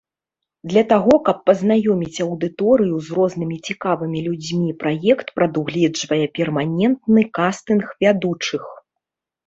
Для таго, каб пазнаёміць аўдыторыю з рознымі цікавымі людзьмі, праект прадугледжвае перманентны кастынг вядучых.